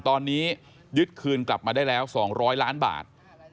ตอนนี้ยึดคืนกลับมาได้แล้ว๒๐๐ล้านบาท